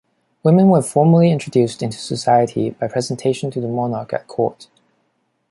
Women were formally introduced into society by presentation to the monarch at Court.